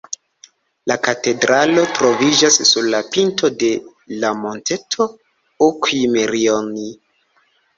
La katedralo troviĝas sur la pinto de la monteto Uk’imerioni.